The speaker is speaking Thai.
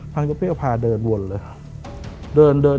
พะพี่ก็พาเดินวนเลย